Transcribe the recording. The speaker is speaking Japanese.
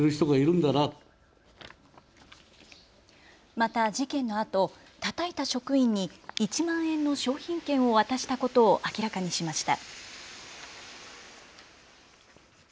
また事件のあと、たたいた職員に１万円の商品券を渡したことを明らかにしました。